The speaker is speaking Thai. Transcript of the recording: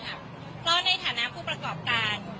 เพราะในฐานะผู้ประกอบการ